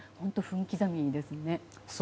分刻みですね。